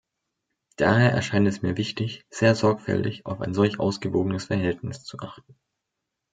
Daher erscheint es mir wichtig, sehr sorgfältig auf ein solch ausgewogenes Verhältnis zu achten.